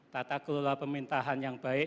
bisa diselesaikan dengan baik